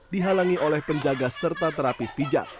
dihalangi oleh penjaga serta terapis pijat